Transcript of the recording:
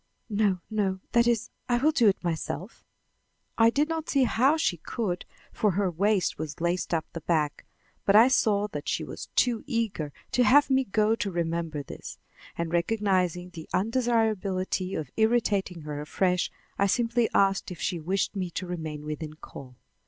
"No, no; that is, I will do it myself." I did not see how she could, for her waist was laced up the back, but I saw that she was too eager to have me go to remember this, and recognizing the undesirability of irritating her afresh, I simply asked if she wished me to remain within call.